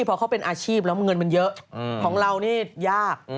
พอเขาเป็นอาชีพแล้วเงินมันเยอะของเรานี่ยาก